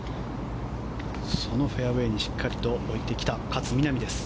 そのフェアウェーにしっかりと置いてきた勝みなみです。